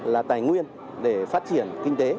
là tài nguyên để phát triển kinh tế